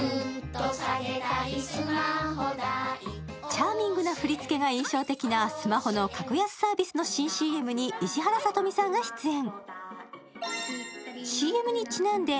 チャーミングな振り付けが印象的な、スマホの格安サービスの新ＣＭに石原さとみさんが出演。